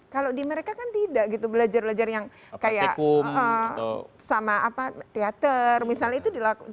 kalau di mereka kan tidak gitu belajar belajar yang kayak sama teater misalnya itu dilakukan